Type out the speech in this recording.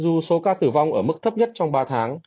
dù số ca tử vong ở mức thấp nhất trong ba tháng